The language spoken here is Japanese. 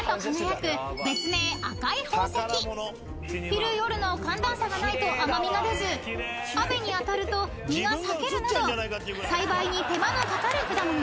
［昼夜の寒暖差がないと甘味が出ず雨に当たると実が裂けるなど栽培に手間のかかる果物です］